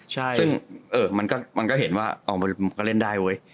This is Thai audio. ซึ่งมันก็เห็นว่ามันก็เล่นได้เว้ย